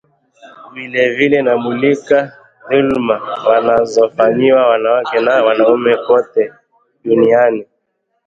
Vilievile, inamulika dhuluma wanazofanyiwa wanawake na wanaume kote duniani